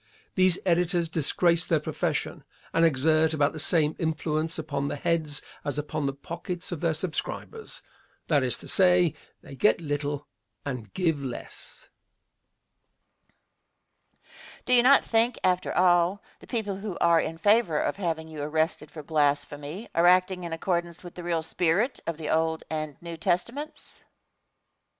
These editors disgrace their profession and exert about the same influence upon the heads as upon the pockets of their subscribers that is to say, they get little and give less. Question. Do you not think after all, the people who are in favor of having you arrested for blasphemy, are acting in accordance with the real spirit of the Old and New Testaments? Answer.